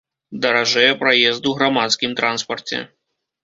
Даражэе праезд у грамадскім транспарце.